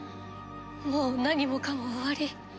もう何もかも終わり。